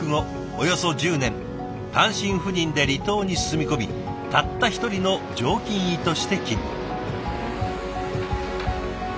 およそ１０年単身赴任で離島に住み込みたった一人の常勤医として勤務。